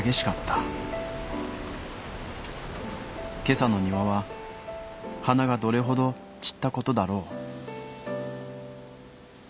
今朝のにわは花がどれほどちったことだろう」。